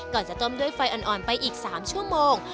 จะต้มด้วยไฟอ่อนไปอีก๓ชั่วโมง